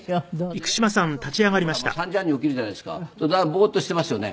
ボーッとしていますよね。